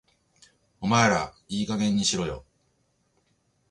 お前らいい加減にしろよ